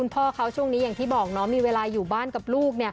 พ่อเขาช่วงนี้อย่างที่บอกน้องมีเวลาอยู่บ้านกับลูก